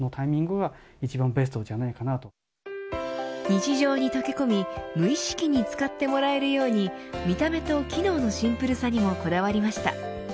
日常に溶け込み無意識に使ってもらえるように見た目と機能のシンプルさにもこだわりました。